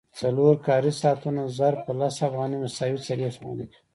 څلور کاري ساعتونه ضرب په لس افغانۍ مساوي څلوېښت افغانۍ کېږي